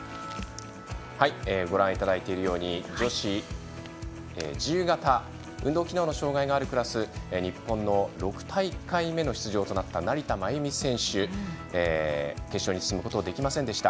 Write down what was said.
女子自由形運動機能の障がいがあるクラス日本の６大会目の出場となった成田真由美選手、決勝に進むことができませんでした。